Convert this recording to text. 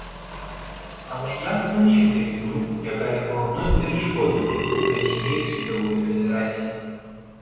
Але як же знищити війну, яка є головною перешкодою до тієї світової федерації?